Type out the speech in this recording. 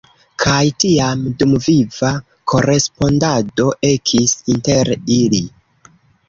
Kaj tiam dumviva korespondado ekis inter ili.